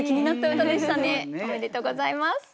おめでとうございます。